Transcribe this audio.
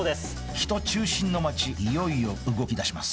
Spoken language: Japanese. ヒト中心の街いよいよ動きだします